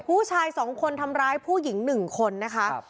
ผู้ชาย๒คนทำร้ายผู้หญิง๑คนนะคะ